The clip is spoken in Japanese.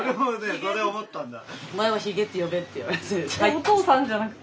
「お父さん」じゃなくて？